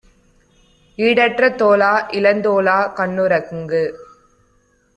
ஈடற்ற தோளா, இளந்தோளா, கண்ணுறங்கு!